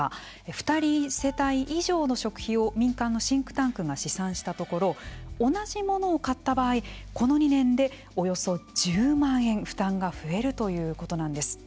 ２人世帯以上の食費を民間のシンクタンクが試算したところ同じ物を買った場合この２年でおよそ１０万円負担が増えるということなんです。